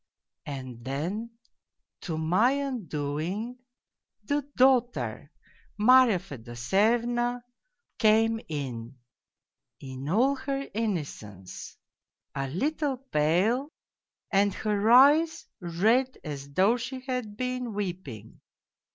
And then, to my undoing, the daughter, Marya Fedosyevna, came in, in all her innocence, a little pale and her eyes red as though she had been weeping.